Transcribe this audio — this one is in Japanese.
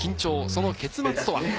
その結末とは？